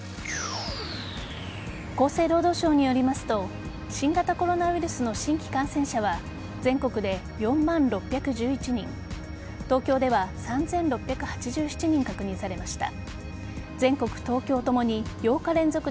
厚生労働省によりますと新型コロナウイルスの新規感染者は全国で４万６１１人東京では３６８７人確認されました。